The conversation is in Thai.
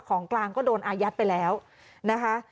ของกลางก็โดนอายัดไปแล้วนะคะ